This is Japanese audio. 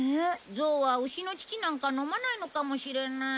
ゾウはウシの乳なんか飲まないのかもしれない。